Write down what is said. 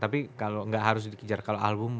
tapi kalau nggak harus dikejar kalau album